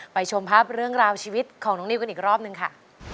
ชมภาพเรื่องราวชีวิตของน้องนิวกันอีกรอบหนึ่งค่ะ